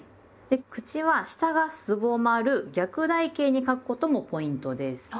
で口は下がすぼまる逆台形に書くこともポイントです。